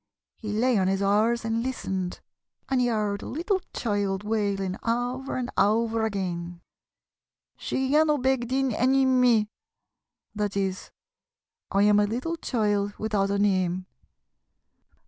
He lay on his oars and listened, and he heard a little child wailing over and over again: 'She lhiannoo beg dyn ennym mee!' That is, 'I am a little child without a name!'